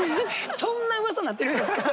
そんなうわさなってるんですか？